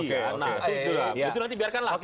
itu nanti biarkanlah